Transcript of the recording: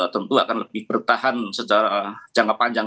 tentu akan lebih bertahan secara jangka panjang